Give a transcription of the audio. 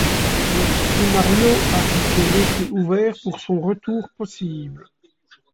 Le scénario a été laissé ouvert pour son retour possible.